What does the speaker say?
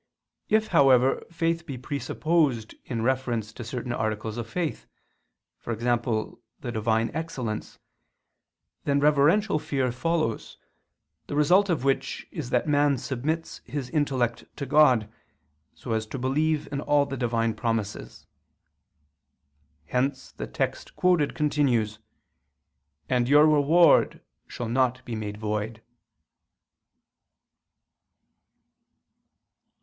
If, however, faith be presupposed in reference to certain articles of faith, for example the Divine excellence, then reverential fear follows, the result of which is that man submits his intellect to God, so as to believe in all the Divine promises. Hence the text quoted continues: "And your reward shall not be made void."